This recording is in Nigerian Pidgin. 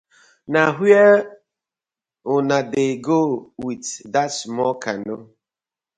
Na where uno dey go wit dat small canoe?